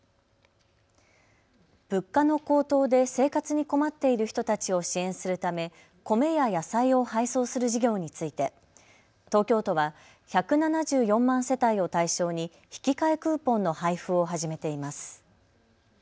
物価の高騰で生活に困っている人たちを支援するため米や野菜を配送する事業について東京都は１７４万世帯を対象に引き換えクーポンの配布を始めています。